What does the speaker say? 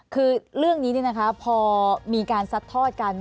คือเรื่องนี้พอมีการซัดทอดกัน